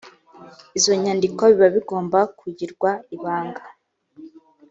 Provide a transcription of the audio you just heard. izo nyandiko biba bigomba kugirwa ibanga